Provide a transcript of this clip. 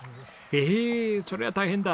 ええそれは大変だ。